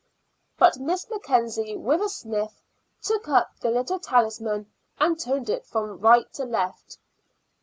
But Miss Mackenzie, with a sniff, took up the little talisman and turned it from right to left.